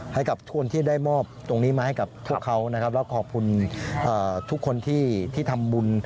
ให้กับทุกคนที่ได้มอบตรงนี้มาให้กับพวกเขานะครับแล้วขอบคุณทุกคนที่ทำบุญ